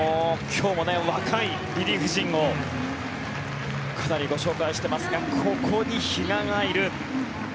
今日も若いリリーフ陣をかなりご紹介していますがここに比嘉がいる。